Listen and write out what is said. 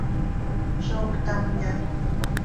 ¿Zó ctamya?